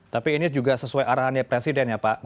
tapi ini juga sesuai arahannya presiden ya pak